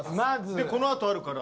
このあとあるから。